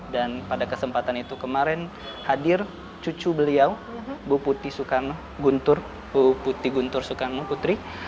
dan pada kesempatan itu kemarin hadir cucu beliau buputi sukan guntur buputi guntur sukan mawutri